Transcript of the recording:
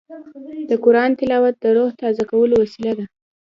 د قرآن تلاوت د روح تازه کولو وسیله ده.